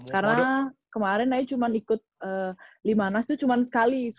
karena kemarin aja cuma ikut lima nas itu cuma sekali